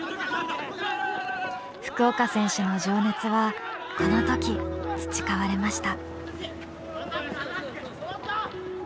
福岡選手の情熱はこの時培われました。